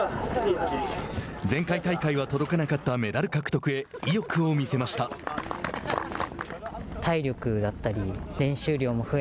前回大会は届かなかったメダル獲得へ意欲を見せました。